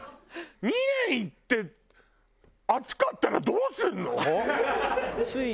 ２年行って暑かったらどうするの？